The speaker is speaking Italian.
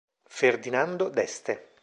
Ferdinando d'Este